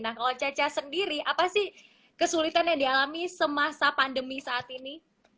nah kalau caca sendiri apa sih kesulitan yang dialami semasa pandemi saat ini